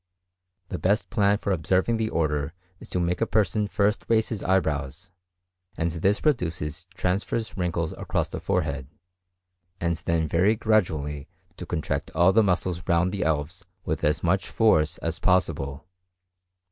The best plan for observing the order is to make a person first raise his eyebrows, and this produces transverse wrinkles across the forehead; and then very gradually to contract all the muscles round the elves with as much force as possible.